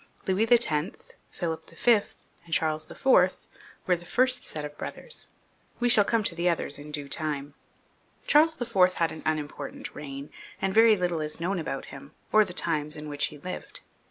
Louis X., Philip V., and Charles IV., were the first set of brothers ; we shall come to the others in due time. Charles IV. had an unimportant reign, and very little is known about him, or the times in which he lived.